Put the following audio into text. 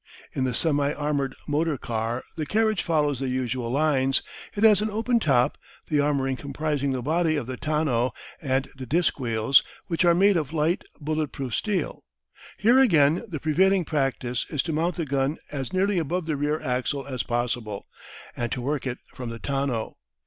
In the semi armoured motor car the carriage follows the usual lines; it has an open top, the armouring comprising the body of the tonneau and the diskwheels, which are made of light bullet proof steel. Here again the prevailing practice is to mount the gun as nearly above the rear axle as possible, and to work it from the tonneau.